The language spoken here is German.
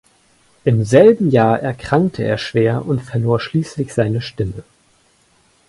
Im selben Jahr erkrankte er schwer und verlor schließlich seine Stimme.